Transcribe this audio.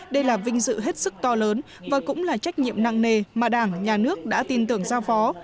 đây là vinh dự hết sức to lớn và cũng là trách nhiệm nặng nề mà đảng nhà nước đã tin tưởng giao phó